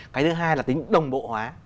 cái thứ hai là tính đồng bộ hóa